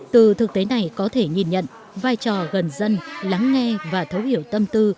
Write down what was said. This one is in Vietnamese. từ thực tế này có thể nhìn nhận vai trò gần dân lắng nghe và thấu hiểu tâm tư